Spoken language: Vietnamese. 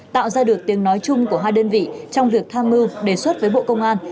tạo ra được tiếng nói chung của hai đơn vị trong việc tham mưu đề xuất với bộ công an